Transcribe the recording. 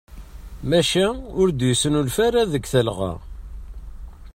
Maca ur d-yesnulfa ara deg talɣa.